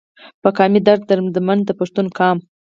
پۀ قامي درد دردمند د پښتون قام